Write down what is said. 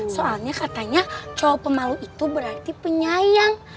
soalnya katanya cowok pemalu itu berarti penyayang